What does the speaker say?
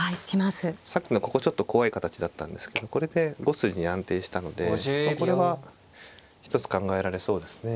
さっきのここちょっと怖い形だったんですけどこれで５筋に安定したのでこれは一つ考えられそうですね。